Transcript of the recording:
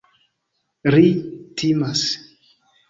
Ri timas.